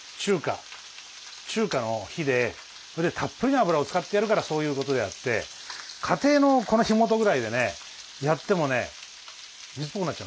中華の火でたっぷりの油を使ってやるからそういうことであって家庭のこの火元ぐらいでねやってもね水っぽくなっちゃうの逆に。